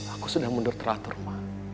aku sudah mundur teratur ma